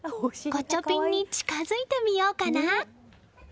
ガチャピンに近づいてみようかな。